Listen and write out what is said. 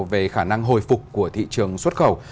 về khả năng hồi phục của thị trường xuất khẩu